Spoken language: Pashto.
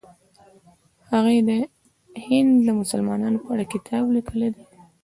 هغې د هند د مسلمانانو په اړه کتاب لیکلی دی.